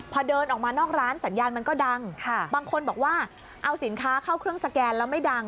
พอเดินออกมานอกร้านสัญญาณมันก็ดังบางคนบอกว่าเอาสินค้าเข้าเครื่องสแกนแล้วไม่ดัง